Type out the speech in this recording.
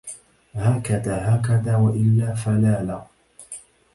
هكذا هكذا وإلا فلا لا